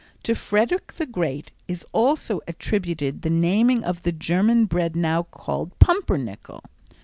To Frederick the Great is also attributed the naming of the German bread now called pumpernickel.